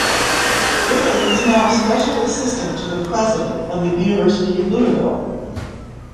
Griffith is now a special assistant to the President of the University of Louisville.